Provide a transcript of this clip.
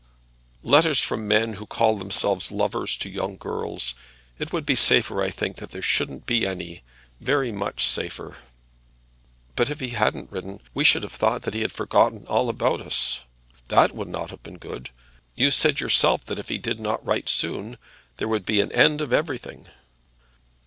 "Letters from men who call themselves lovers to young girls. It would be safer, I think, that there shouldn't be any; very much safer." "But if he hadn't written we should have thought that he had forgotten all about us. That would not have been good. You said yourself that if he did not write soon, there would be an end of everything."